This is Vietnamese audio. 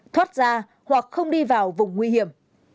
thoát ra hoặc không đi vào vùng nguy hiểm